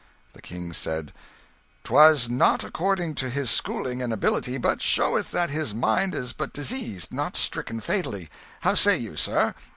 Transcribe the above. The King said "'Twas not according to his schooling and ability, but showeth that his mind is but diseased, not stricken fatally. How say you, sir?"